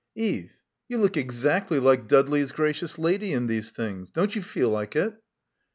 "Eve, you look exactly like Dudley's gracious lady in these things. Don't you feel like it?"